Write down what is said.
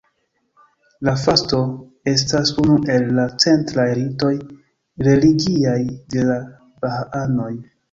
La Fasto estas unu el la centraj ritoj religiaj de la bahaanoj.